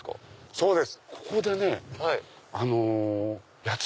そうです。